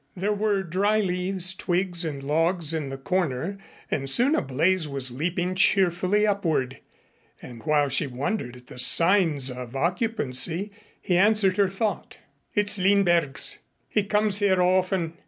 There were dry leaves, twigs and logs in the corner, and soon a blaze was leaping cheerfully upward. And while she wondered at the signs of occupancy he answered her thought. "It's Lindberg's. He comes here often.